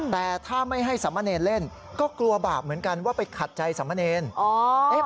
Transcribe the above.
แต่ถ้าไม่ให้สามเณรเล่นก็กลัวบาปเหมือนกันว่าไปขัดใจสามเณร